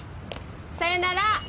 さよなら。